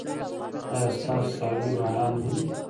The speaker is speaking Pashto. ایا ستاسو څاروي به ارام نه وي؟